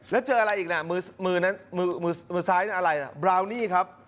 แล้วเจออะไรอีกนะมือซ้ายนั้นอะไรบราวนี่ครับ